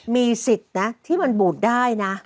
มีสิทธิ์นะที่มันบูดได้นะ